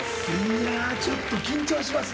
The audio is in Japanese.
ちょっと緊張します